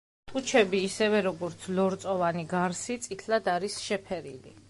ტუჩები, ისევე, როგორც ლორწოვანი გარსი წითლად არის შეფერილი.